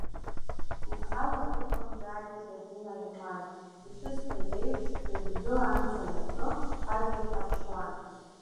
Ихала дыҟан, ҿааиҭит агәыла аерманы, ишысҳәаз еиԥш, шәыҩн ду амца анакы, ҳазегьы ҳаԥшуан…